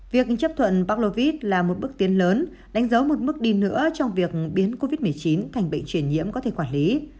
việc chấp thuận bác là một bước tiến lớn đánh dấu một bước đi nữa trong việc biến covid một mươi chín thành bệnh truyền nhiễm có thể quản lý